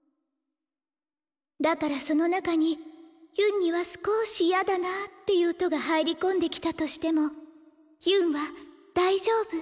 だからその中にヒュンにはすこし嫌だなっていう音が入り込んできたとしてもヒュンは大丈夫。